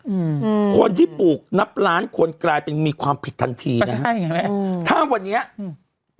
อืมคนที่ปลูกนับล้านคนกลายเป็นมีความผิดทันทีนะฮะใช่ไงแม่อืมถ้าวันนี้อืม